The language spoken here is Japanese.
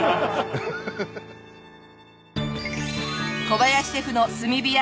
小林シェフの炭火焼き。